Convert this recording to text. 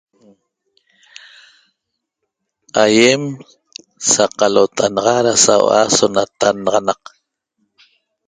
Aiem saqalota naxa ra saua'a so natannaxanaxaq